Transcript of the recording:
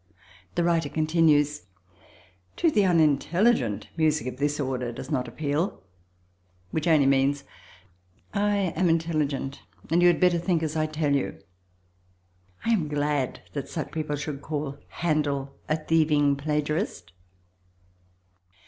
The writer continues: "To the unintelligent, music of this order does not appeal"; which only means "I am intelligent and you had better think as I tell you." I am glad that such people should call Handel a thieving plagiarist.